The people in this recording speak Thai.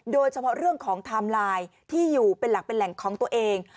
โดยเฉพาะเรื่องของไทม์ไลน์ที่อยู่เป็นหลักเป็นแหล่งของตัวเอง